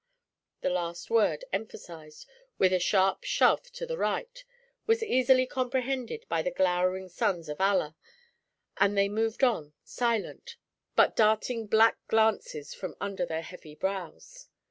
The last word, emphasized with a sharp shove to the right, was easily comprehended by the glowering sons of Allah, and they moved on, silent, but darting black glances from under their heavy brows.